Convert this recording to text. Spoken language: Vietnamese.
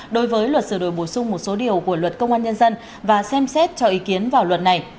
đối với luật sửa đổi bổ sung một số điều của luật công an nhân dân và xem xét cho ý kiến vào luật này